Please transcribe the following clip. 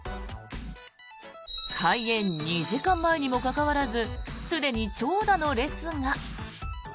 開園２時間前にもかかわらずすでに長蛇の列が。